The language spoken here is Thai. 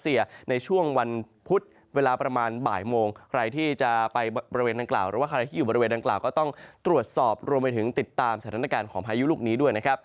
มีความรู้สึกว่ามีความรู้สึกว่ามีความรู้สึกว่ามีความรู้สึกว่ามีความรู้สึกว่ามีความรู้สึกว่ามีความรู้สึกว่า